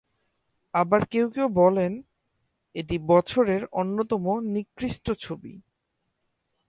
আবার কেউ কেউ বলেন, এটি বছরের অন্যতম নিকৃষ্ট ছবি।